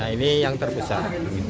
ini yang terbesar